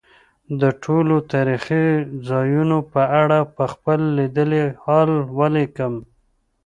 د ټولو تاریخي ځایونو په اړه به خپل لیدلی حال ولیکم.